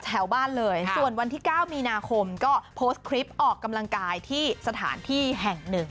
แถวบ้านเลยส่วนวันที่๙มีนาคมก็โพสต์คลิปออกกำลังกายที่สถานที่แห่งหนึ่ง